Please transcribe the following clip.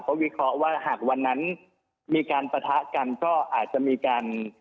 ก็วิเคราะห์ว่าหากวันนั้นมีการปะทะกันก็อาจจะมีการ